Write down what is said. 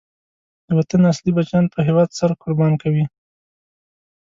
د وطن اصلی بچیان په هېواد سر قربان کوي.